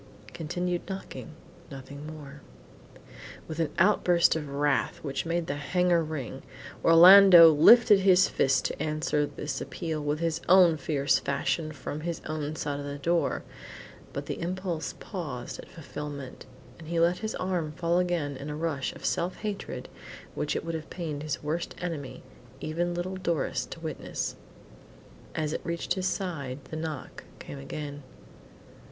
Continued knocking nothing more. With an outburst of wrath, which made the hangar ring, Orlando lifted his fist to answer this appeal in his own fierce fashion from his own side of the door, but the impulse paused at fulfilment, and he let his arm fall again in a rush of self hatred which it would have pained his worst enemy, even little Doris, to witness. As it reached his side, the knock came again.